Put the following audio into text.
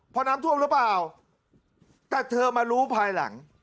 พอน้ำท่วมหรือเปล่าแต่เธอมารู้ภายหลัง